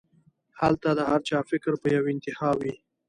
هلته د هر چا فکر پۀ يوه انتها وي